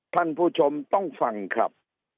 ท่านผู้ชมต้องฟังครับ